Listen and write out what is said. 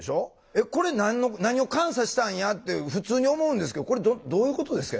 えっこれ何を監査したんやって普通に思うんですけどこれどういうことですか？